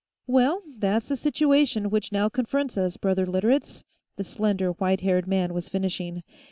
"Well, that's the situation which now confronts us, brother Literates," the slender, white haired man was finishing.